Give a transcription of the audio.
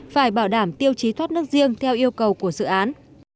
phải bảo đảm tiêu chí thoát nước riêng theo yêu cầu của dự án